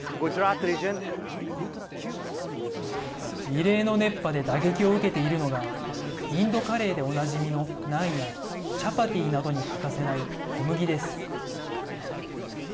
異例の熱波で打撃を受けているのがインドカレーで、おなじみのナンやチャパティなどに欠かせない小麦です。